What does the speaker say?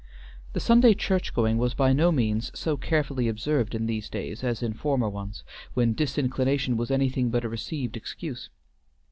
The Sunday church going was by no means so carefully observed in these days as in former ones, when disinclination was anything but a received excuse.